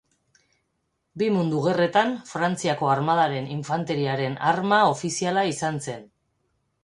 Bi Mundu Gerretan, Frantziako Armadaren infanteriaren arma ofiziala izan zen.